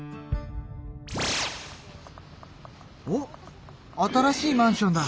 おっ新しいマンションだ。